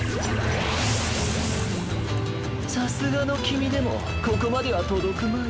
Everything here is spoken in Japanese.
さすがのきみでもここまではとどくまい。